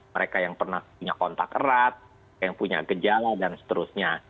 mereka yang pernah punya kontak erat yang punya gejala dan seterusnya